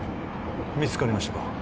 見つかりましたか？